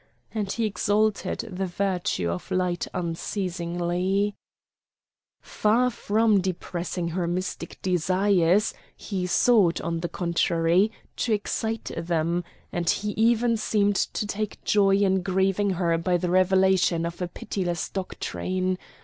And he exalted the virtue of light unceasingly. Far from depressing her mystic desires, he sought, on the contrary, to excite them, and he even seemed to take joy in grieving her by the revelation of a pitiless doctrine.